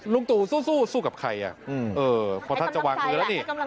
ลุงตู่สู้สู้กับใครอ่ะส่วนท่าจะวางกึโดยอะไรดี